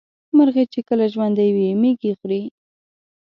مرغۍ چې کله ژوندۍ وي مېږي خوري.